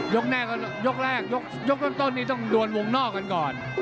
ยกแรกยกต้นต้องดวนวงนอกกันก่อน